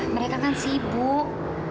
mereka kan sibuk